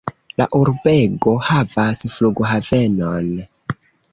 La urbego havas flughavenon.